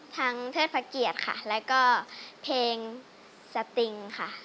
ทั้งเทศพเกียรติค่ะแล้วก็เพลงสตริงค่ะ